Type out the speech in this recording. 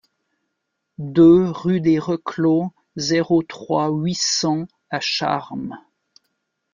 deux rue des Reclos, zéro trois, huit cents à Charmes